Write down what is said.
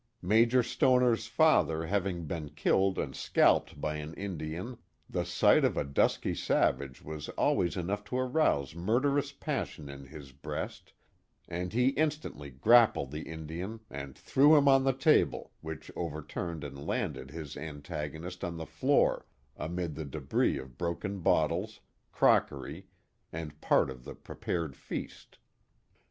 Major Stoner's father having been killed and scalped by an Indian, the sight of a dusky savage was always enough to arouse murderous passion in his breast, and he instantly grappled the Indian and threw him on the table which overturned and landed his an tagonist on the floor amid the debris of broken bottles, crockery, and part of the prepared feast.